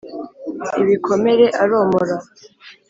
ibikomere aromora